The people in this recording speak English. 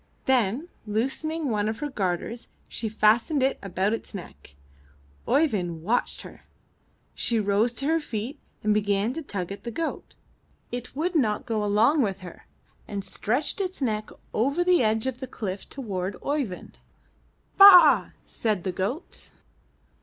Then, loosening one of her garters, she fastened it about its neck. Oeyvind watched her. She rose to her feet and began to tug at the goat; it would not go along with her, and stretched its neck over the edge of the cliff toward Oeyvind. "Ba a a a!" said the goat.